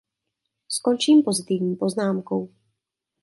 Skončím pozitivní poznámkou.